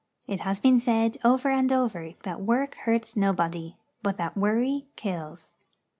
It has been said over and over again that work hurts nobody, but that worry kills.